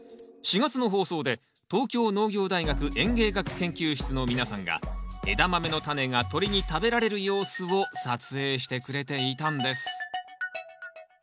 ４月の放送で東京農業大学園芸学研究室の皆さんがエダマメのタネが鳥に食べられる様子を撮影してくれていたんです。